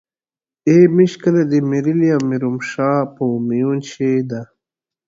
ای ميژ کله دې ميرعلي او میرومشا په میون شې ده